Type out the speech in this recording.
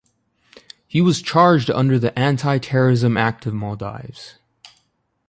He was charged under the Anti-Terrorism Act of Maldives.